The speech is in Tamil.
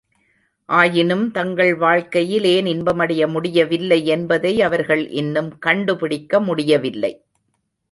ஆயினும் தங்கள் வாழ்க்கையில் ஏன் இன்பமடைய முடியவில்லை என்பதை அவர்கள் இன்னும் கண்டுபிடிக்க முடியவில்லை!